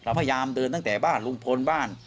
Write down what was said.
พยายามเดินตั้งแต่บ้านลุงพลบ้าน